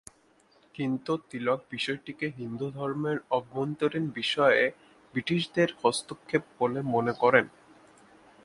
কিন্তু তিলক বিষয়টিকে হিন্দুধর্মের অভ্যন্তরীণ বিষয়ে ব্রিটিশদের হস্তক্ষেপ বলে মনে করেন।